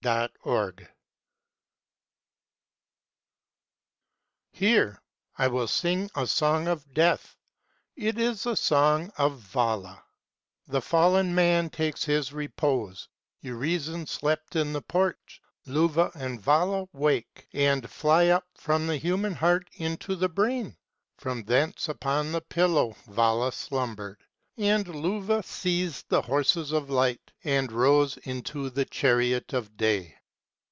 24S Hear, I will sing a song of death : it is a song of Vala:â VALA : NIGHT I. 13 The Fallen Man takes his repose, Urizen slept in the porch, Luvah and Vala wake and fly up from the Human Heart Into the Brain. From thence upon the pillow Vala slumbered, And Luvah seized the Horses of Light and rose into the Chariot of Day.